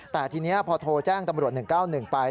แต่ทีนี้พอโทรแจ้งตำรวจ๑๙๑ไป